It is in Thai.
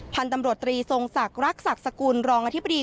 พันธ์ตำรวจตรีทรงศักดิ์รักษกรร้องอธิบดี